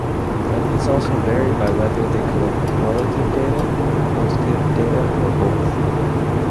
Methods also vary by whether they collect qualitative data, quantitative data or both.